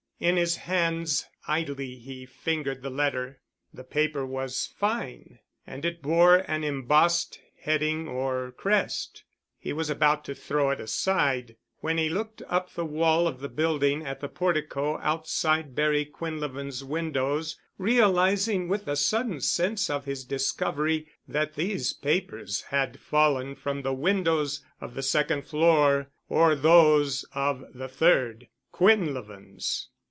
In his hands idly he fingered the letter. The paper was fine and it bore an embossed heading or crest. He was about to throw it aside when he looked up the wall of the building at the portico outside Barry Quinlevin's windows—realizing with a sudden sense of his discovery that these papers had fallen from the windows of the second floor or those of the third—Quinlevin's.